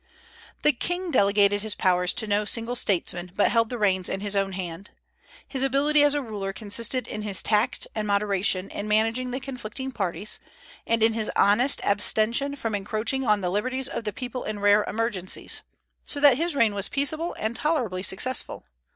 The king delegated his powers to no single statesman, but held the reins in his own hand. His ability as a ruler consisted in his tact and moderation in managing the conflicting parties, and in his honest abstention from encroaching on the liberties of the people in rare emergencies; so that his reign was peaceable and tolerably successful.